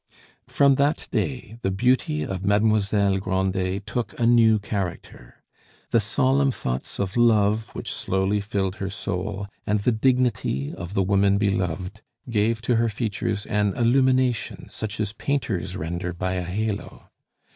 From that day the beauty of Mademoiselle Grandet took a new character. The solemn thoughts of love which slowly filled her soul, and the dignity of the woman beloved, gave to her features an illumination such as painters render by a halo.